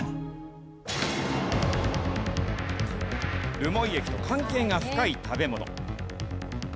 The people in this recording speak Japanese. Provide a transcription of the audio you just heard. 留萌駅と関係が深い食べ物。